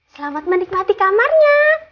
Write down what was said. selamat menikmati kamarnya